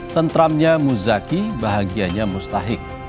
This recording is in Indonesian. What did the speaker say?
tentramnya muzaki bahagianya mustahik